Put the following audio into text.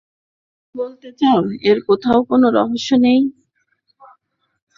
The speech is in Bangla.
তুমি কি বলতে চাও, এর কোথাও কোনো রহস্য নেই?